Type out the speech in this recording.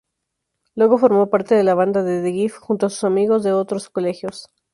Luego formó parte de la banda The Gift junto a amigos de otros colegios.